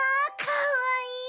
かわいい！